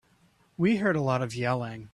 We heard a lot of yelling.